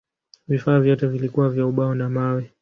Vifaa vyote vilikuwa vya ubao na mawe.